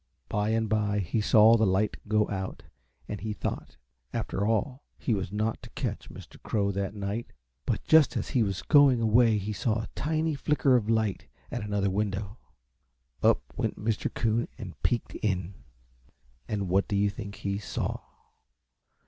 By and by he saw the light go out, and he thought, after all, he was not to catch Mr. Crow that night; but just as he was going away he saw a tiny flicker of light at another window. Up went Mr. Coon and peeked in. And what do you think he saw?